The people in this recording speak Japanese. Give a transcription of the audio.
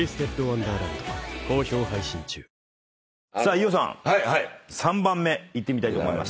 飯尾さん３番目いってみたいと思います。